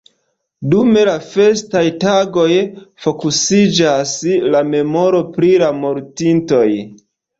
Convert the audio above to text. Dum la festaj tagoj fokusiĝas la memoro pri la mortintoj.